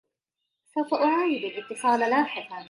سوف أعاود الإتصالَ لاحقاً.